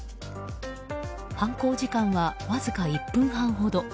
犯行時間はわずか１分半ほど。